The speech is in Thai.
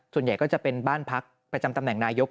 ส่วนใหญ่ก็จะเป็นบ้านพักประจำตำแหน่งนายก